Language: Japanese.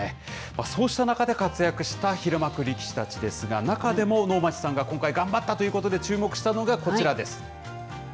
そうした中で活躍した平幕力士たちですが、中でも能町さんが今回頑張ったということで注目したのがこちらです。